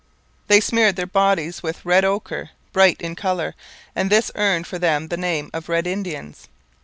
They smeared their bodies with red ochre, bright in colour, and this earned for them the name of Red Indians.